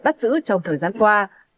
bắt giữ trong thời gian qua